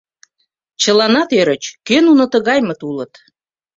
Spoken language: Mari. Чыланат ӧрыч: кӧ нуно тыгаймыт улыт?